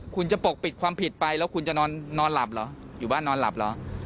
คุณจะปกปิดความผิดไปแล้วคุณจะนอนหลับเหรออยู่บ้านนอนหลับเหรอ